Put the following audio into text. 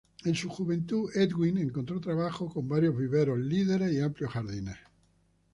En su juventud Edwin encontró trabajo con varios viveros líderes y amplios jardines.